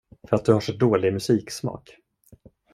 För att du har så dålig musiksmak.